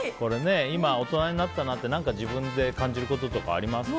今、大人になったなって何か自分で感じることとかありますか？